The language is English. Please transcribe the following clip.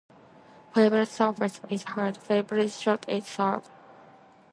Favorite surface is hard; favorite shot is serve.